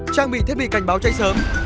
trang bị thiết bị cảnh báo cháy sớm